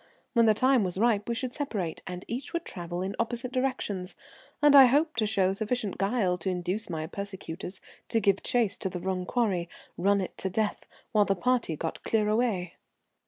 When the time was ripe we should separate, and each would travel in opposite directions, and I hoped to show sufficient guile to induce my persecutors to give chase to the wrong quarry. Run it to the death, while the party got clear away.